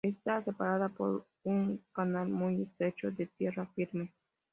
Está separada por un canal muy estrecho de tierra firme.